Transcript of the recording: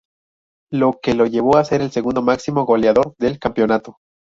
Lo que lo llevó a ser el segundo máximo goleador del campeonato.